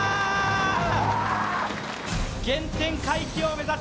原点回帰を目指す